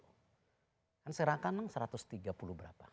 kan sekarang kan memang satu ratus tiga puluh berapa